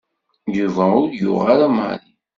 Yuba ur yuɣ ara Mary.